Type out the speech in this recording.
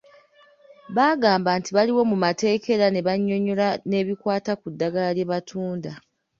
Bagamba nti baliwo mu mateeka era ne bannyonnyola n’ebikwata ku ddagala lye batunda.